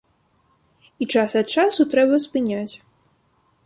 І час ад часу трэба спыняць.